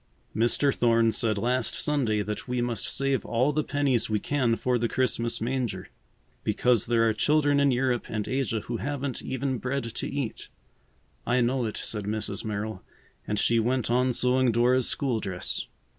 "Mr. Thorne said last Sunday that we must save all the pennies we can for the Christmas manger. Because there are children in Europe and Asia who haven't even bread to eat." "I know it," said Mrs. Merrill, and she went on sewing Dora's school dress.